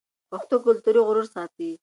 پښتو کلتوري غرور ساتي.